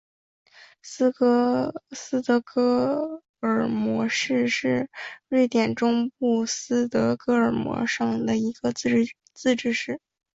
斯德哥尔摩市是瑞典中东部斯德哥尔摩省的一个自治市。